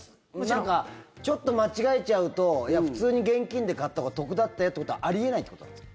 なんかちょっと間違えちゃうと普通に現金で買ったほうが得だっていうことはあり得ないということなんですか？